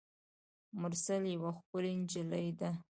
مرسل یوه ښکلي نجلۍ ده.